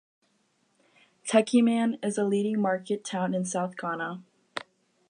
Techiman is a leading market town in South Ghana.